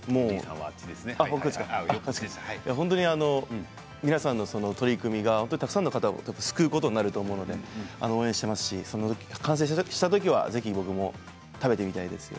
本当に皆さんのその取り組みがたくさんの方を救うことになると思うので応援していますし完成した時はぜひ僕も食べてみたいです。